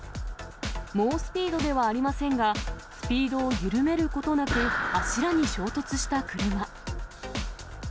猛スピードではありませんが、スピードを緩めることなく、柱に衝突した車。